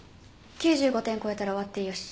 ９５点超えたら終わってよし。